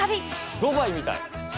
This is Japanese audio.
ドバイみたい。